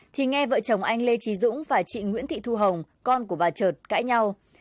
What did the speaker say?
thì nghe vợ chồng anh lê trí dũng và chị nguyễn thị thu hồng con của bà trượt cãi nhau